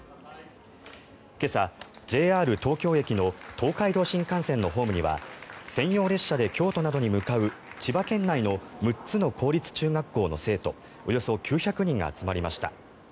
今朝、ＪＲ東京駅の東海道新幹線のホームには専用列車で京都などに向かう千葉県内の６つの公立中学校の生徒およそ９００人が集まりました。